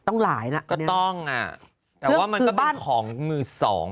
ต้องหลายน่ะคนนี้นี่ผู้หญิงอ่ะแต่ว่ามันก็เป็นของมือสอง